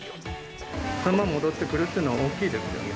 ３万戻ってくるというのは大きいですよね。